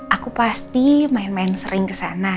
aku pasti main main sering kesana